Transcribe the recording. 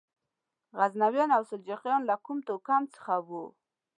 غزنویان او سلجوقیان له کوم توکم څخه وو؟